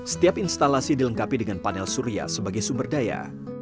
setiap instalasi dilengkapi dengan panel surya sebagai sumber daya